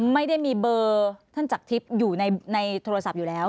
ไม่ได้มีเบอร์ท่านจักรทิพย์อยู่ในโทรศัพท์อยู่แล้ว